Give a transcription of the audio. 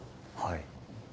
はい。